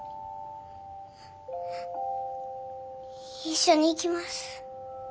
一緒に行きます。